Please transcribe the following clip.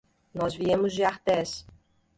Nós viemos de Artés.